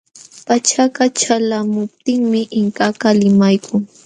Pachaka ćhalqamuptinmi Inkakaq limaykun.